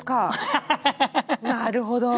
なるほど！